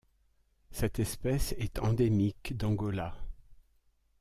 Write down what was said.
Cette espèce est endémique d'Angola.